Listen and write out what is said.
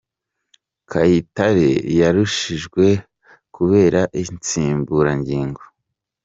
Kayitare yarushijwe kubera insimburangingo